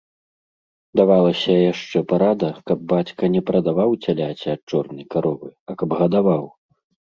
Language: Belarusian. Давалася яшчэ парада, каб бацька не прадаваў цяляці ад чорнай каровы, а каб гадаваў.